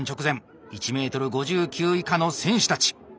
１ｍ５９以下の選手たち。